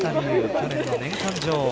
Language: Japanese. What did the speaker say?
去年の年間女王。